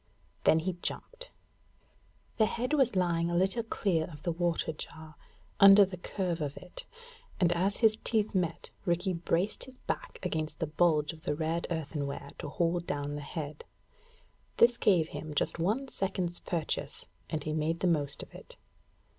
Then he jumped. The head was lying a little clear of the water jar, under the curve of it; and, as his teeth met, Rikki braced his back against the bulge of the red earthen rare to hold down the head. This gave him just one second's purchase, and he made the most of it.